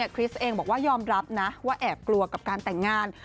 คริสเองบอกว่ายอมรับนะว่าแอบกลัวกับการแต่งงาน